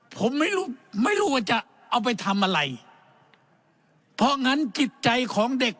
ผมไม่รู้ไม่รู้ว่าจะเอาไปทำอะไรเพราะงั้นจิตใจของเด็ก